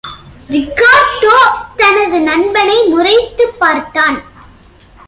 Ricardo தனது நண்பனை முறைத்துப் பார்த்தான்.